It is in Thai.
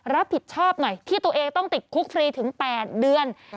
รับผิดชอบหน่อยที่ตัวเองต้องติดคุกฟรีถึง๘เดือน